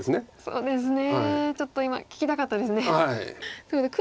そうですね。